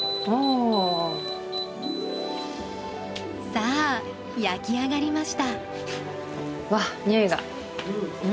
さあ焼き上がりました。